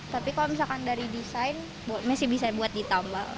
tapi kalau misalkan dari desain masih bisa buat ditambah